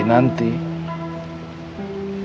pernah belak belakan sama akang